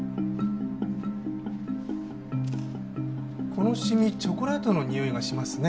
この染みチョコレートのにおいがしますね。